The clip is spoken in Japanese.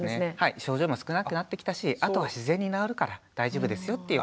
症状も少なくなってきたしあとは自然に治るから大丈夫ですよっていう話だと思います。